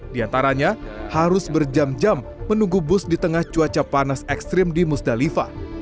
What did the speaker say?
di antaranya harus berjam jam menunggu bus di tengah cuaca panas ekstrim di musdalifah